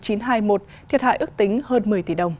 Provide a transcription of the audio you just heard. thiệt hại ước tính hơn một m